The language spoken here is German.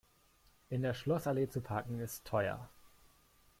In der Schlossallee zu parken, ist teuer.